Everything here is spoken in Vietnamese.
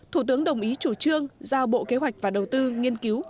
thủ tướng đồng ý chủ trương giao bộ kế hoạch và đầu tư nghiên cứu